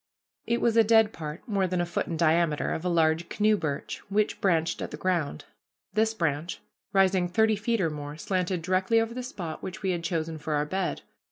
It was a dead part, more than a foot in diameter, of a large canoe birch, which branched at the ground. This branch, rising thirty feet or more, slanted directly over the spot which we had chosen for our bed.